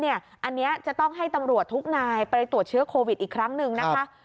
อันนี้จะต้องให้ตำรวจทุกนายไปตรวจเชื้อโควิดอีกครั้งหนึ่งนะคะ